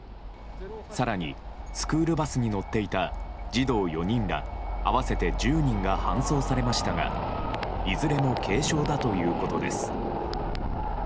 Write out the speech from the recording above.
更に、スクールバスに乗っていた児童４人ら合わせて１０人が搬送されましたがいずれも軽傷だということです。